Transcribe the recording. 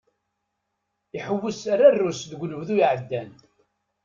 Iḥewwes ar Rrus deg unebdu iɛeddan.